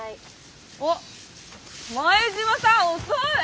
あっ前島さん遅い！